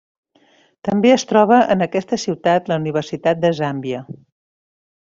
També es troba en aquesta ciutat la Universitat de Zàmbia.